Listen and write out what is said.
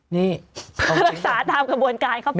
นี่เอาจริงรักษาทางกระบวนกายครับผม